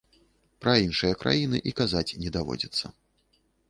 Пра іншыя краіны і казаць не даводзіцца.